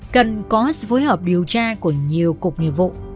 cần có sự phối hợp điều tra của nhiều cục nghiệp vụ